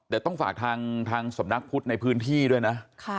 แต่ต้องฝากทางสำนักพุทธในพื้นที่ด้วยนะ